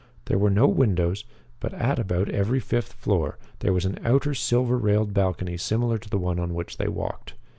There were no windows, but at about every fifth floor there was an outer silver railed balcony similar to the one on which they walked.